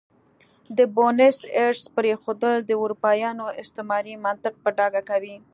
د بونیس ایرس پرېښودل د اروپایانو استعماري منطق په ډاګه کوي.